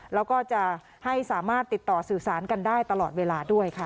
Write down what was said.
แล้วก็จะให้สามารถติดต่อสื่อสารกันได้ตลอดเวลาด้วยค่ะ